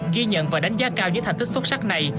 ghi nhận và đánh giá cao những thành tích xuất sắc này